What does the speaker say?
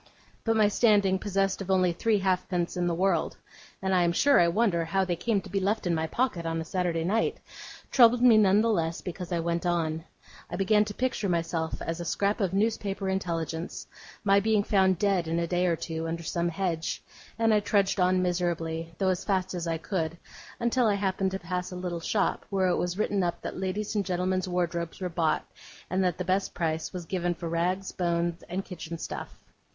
But my standing possessed of only three halfpence in the world (and I am sure I wonder how they came to be left in my pocket on a Saturday night!) troubled me none the less because I went on. I began to picture to myself, as a scrap of newspaper intelligence, my being found dead in a day or two, under some hedge; and I trudged on miserably, though as fast as I could, until I happened to pass a little shop, where it was written up that ladies' and gentlemen's wardrobes were bought, and that the best price was given for rags, bones, and kitchen stuff.